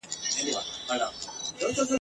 چغال هم کړې له خوښیه انګولاوي ..